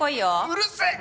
「うるせえ！」